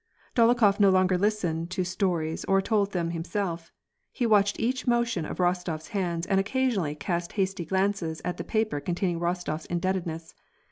Dolokhof no longer listened to stories or told them himself ; he watched each motion of Rostofs hands, and occasionally cast hasty glances at the paper containing Rostofs indebtedness.